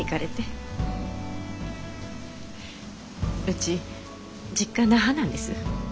うち実家那覇なんです。